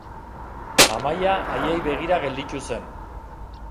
Amaia haiei begira gelditu zen.